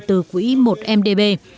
từ quỹ một mdb